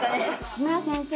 木村先生